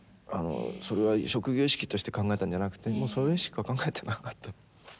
それは職業意識として考えたんじゃなくてもうそれしか考えてなかった。